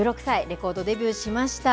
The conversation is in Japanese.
レコードデビューしました。